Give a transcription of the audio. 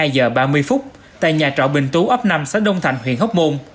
hai mươi hai giờ ba mươi phút tại nhà trọ bình tú ấp năm xã đông thạnh huyện hốc môn